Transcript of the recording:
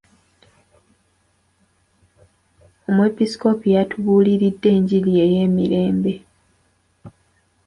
Omwepiskoopi yatubuuliridde enjiri ey'emirembe.